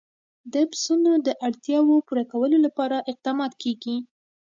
د پسونو د اړتیاوو پوره کولو لپاره اقدامات کېږي.